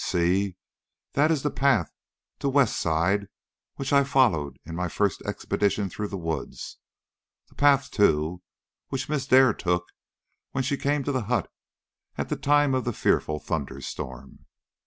"See, that is the path to West Side which I followed in my first expedition through the woods the path, too, which Miss Dare took when she came to the hut at the time of the fearful thunderstorm.